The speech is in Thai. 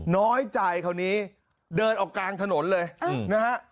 น้อยใจคราวนี้เดินออกกลางถนนเลยนะฮะ